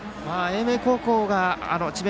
英明高校が智弁